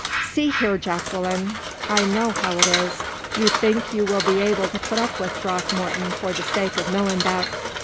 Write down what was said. "See here, Jacqueline, I know how it is. You think you will be able to put up with Throckmorton for the sake of Millenbeck.